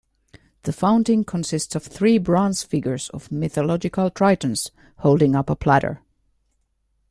The fountain consists of three bronze figures of mythological Tritons holding up a platter.